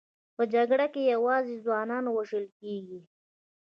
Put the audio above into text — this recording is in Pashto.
په جګړه کې یوازې ځوانان وژل کېږي